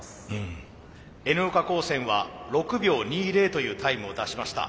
Ｎ岡高専は６秒２０というタイムを出しました。